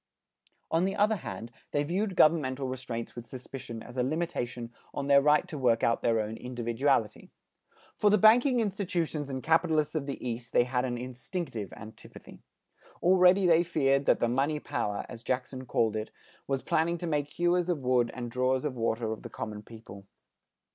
On the other hand, they viewed governmental restraints with suspicion as a limitation on their right to work out their own individuality. For the banking institutions and capitalists of the East they had an instinctive antipathy. Already they feared that the "money power" as Jackson called it, was planning to make hewers of wood and drawers of water of the common people.